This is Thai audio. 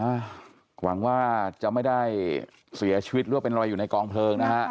หวังว่าจะไม่ได้เสียชีวิตหรือว่าเป็นรอยอยู่ในกองเพลิงนะฮะ